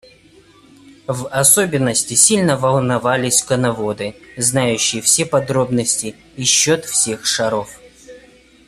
В особенности сильно волновались коноводы, знающие все подробности и счет всех шаров.